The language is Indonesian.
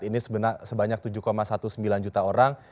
ini sebenarnya sebanyak tujuh sembilan belas juta orang